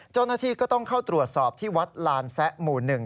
เจ้าหน้าที่ก็ต้องเข้าตรวจสอบที่วัดลานแซะหมู่๑